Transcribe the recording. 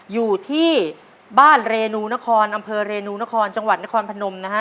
อยู่ที่บ้านเรนูนครอำเภอเรนูนครจังหวัดนครพนมนะฮะ